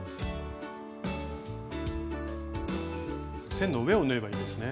線の上を縫えばいいんですね。